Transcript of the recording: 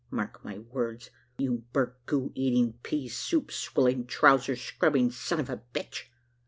Mark my words, you burgoo eating, pea soup swilling, trowsers scrubbing son of a bitch!"